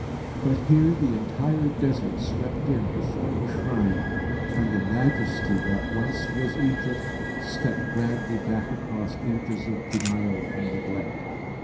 But here the entire Desert swept in to form a shrine, and the Majesty that once was Egypt stepped grandly back across ages of denial and neglect.